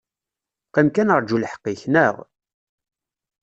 Qim kan aṛǧu lḥeq-ik, neɣ?